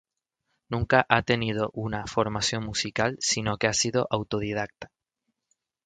Nunca ha tenido una formación musical sino que ha sido autodidacta.